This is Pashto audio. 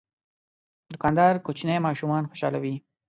دوکاندار کوچني ماشومان خوشحالوي.